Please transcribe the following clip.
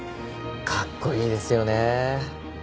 かっこいいですよね。